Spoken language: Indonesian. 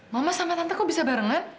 mama sama tante kok bisa bareng nek